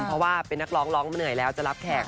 เพราะว่าเป็นนักร้องร้องมาเหนื่อยแล้วจะรับแขก